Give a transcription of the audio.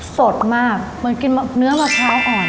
สดมากเหมือนกินเนื้อมะพร้าวอ่อน